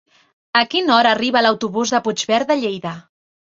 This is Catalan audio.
A quina hora arriba l'autobús de Puigverd de Lleida?